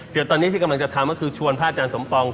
เดี๋ยวตอนนี้ที่กำลังจะทำก็คือชวนพระอาจารย์สมปอง